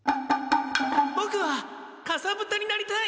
ボクはかさぶたになりたい！